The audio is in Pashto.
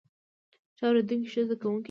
ښه اوریدونکی ښه زده کوونکی وي